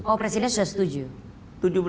oh presiden sudah setuju